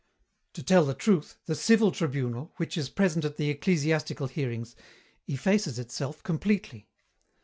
"To tell the truth, the civil tribunal, which is present at the ecclesiastical hearings, effaces itself completely.